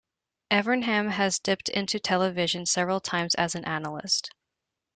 Evernham has dipped into television several times as an analyst.